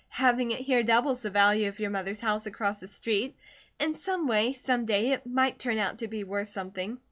Having it here doubles the value of your mother's house across the street. In some way, some day, it might turn out to be worth something."